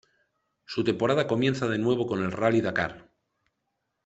Su temporada comienza de nuevo con el Rally Dakar.